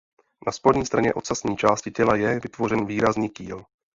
Na spodní straně ocasní části těla je vytvořen výrazný kýl.